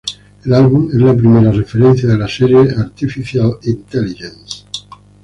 El álbum es la primera referencia de la serie Artificial Intelligence.